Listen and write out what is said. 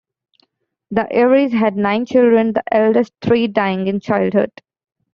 The Airys had nine children, the eldest three dying in childhood.